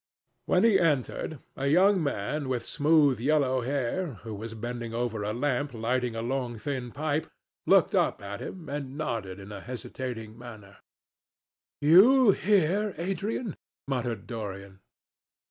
When he entered, a young man with smooth yellow hair, who was bending over a lamp lighting a long thin pipe, looked up at him and nodded in a hesitating manner. "You here, Adrian?" muttered Dorian.